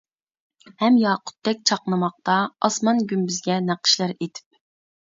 ھەم ياقۇتتەك چاقنىماقتا، ئاسمان گۈمبىزىگە نەقىشلەر ئېتىپ.